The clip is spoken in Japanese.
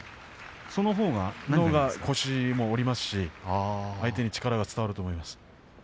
そのほうが腰も下りますしそして相手に力が伝わると思います。